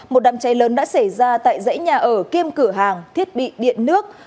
một đám cháy lớn đã xảy ra tại dãy nhà ở kiêm cửa hàng thiết bị điện nước